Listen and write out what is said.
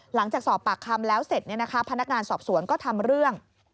หลังจากสอบปากคำแล้วเสร็จพนักงานสอบสวนก็ทำเรื่อง